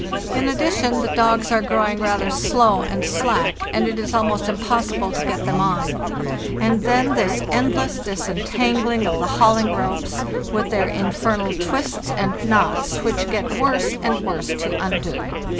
In addition, the dogs are growing rather slow and slack, and it is almost impossible to get them on. And then this endless disentangling of the hauling ropes, with their infernal twists and knots, which get worse and worse to undo!